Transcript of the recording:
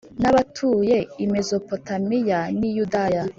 n abatuye i Mezopotamiya n i Yudaya